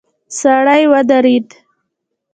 سړی ودرید.